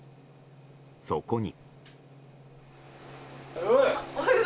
そこに。